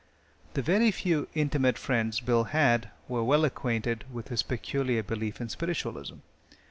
The very few intimate friends Bill had were well acquainted with his peculiar belief in spiritualism.